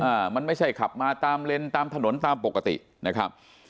อ่ามันไม่ใช่ขับมาตามเลนตามถนนตามปกตินะครับ